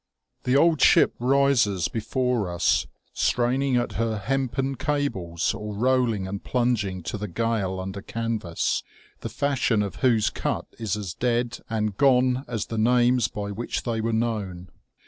The old ship rises before us straining THE OLD NAVAL SEA SONG, 235 at her hempen cables or rolling and plunging to the gale under canvas the fashion of whose cut is as dead and gone as the names by which they were known.